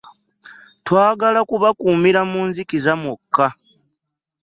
Twagala kubakuumira mu nzikiza mwokka.